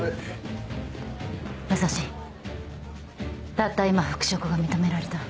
たった今復職が認められた。